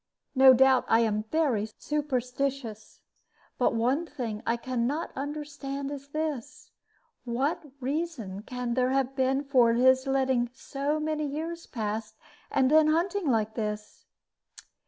No doubt I am very superstitious. But one thing I can not understand is this what reason can there have been for his letting so many years pass, and then hunting like this?"